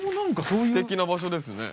すてきな場所ですね。